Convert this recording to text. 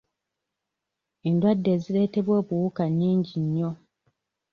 Endwadde ezireetebwa obuwuka nnyingi nnyo.